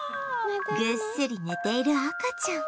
ぐっすり寝ている赤ちゃん